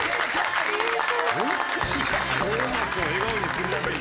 トーマスを笑顔にするために？